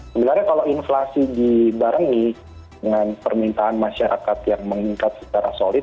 sebenarnya kalau inflasi dibarengi dengan permintaan masyarakat yang meningkat secara solid